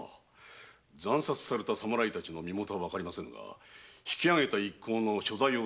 惨殺された侍たちの身元はわかりませぬが引き揚げた一行の所在を掴むため